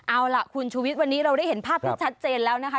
เอาล่ะคุณชุวิตวันนี้เราได้เห็นภาพที่ชัดเจนแล้วนะคะ